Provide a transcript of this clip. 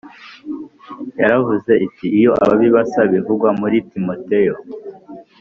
Yaravuze iti iyo ababi basa Ibivugwa muri Timoteyo